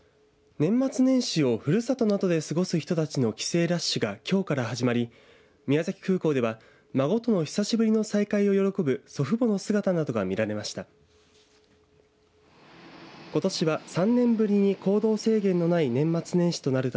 年末年始をふるさとなどで過ごす人たちの帰省ラッシュがきょうから始まり宮崎空港では孫との久しぶりの再会を喜ぶ祖父母の姿などが見られました。